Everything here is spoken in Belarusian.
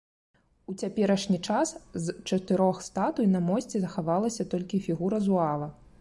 У цяперашні час з чатырох статуй на мосце захавалася толькі фігура зуава.